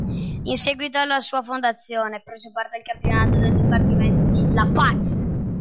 In seguito alla sua fondazione prese parte al campionato del Dipartimento di La Paz.